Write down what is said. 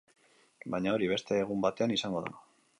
Baina hori, beste egun batean izango da.